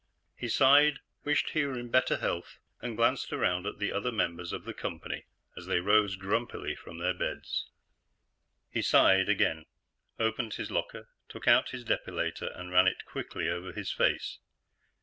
He sighed, wished he were in better health, and glanced around at the other members of the company as they rose grumpily from their beds. He sighed again, opened his locker, took out his depilator, and ran it quickly over his face.